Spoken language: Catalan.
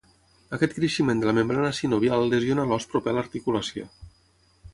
Aquest creixement de la membrana sinovial lesiona l'os proper a l'articulació.